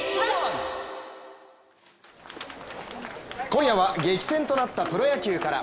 今夜は激戦となったプロ野球から。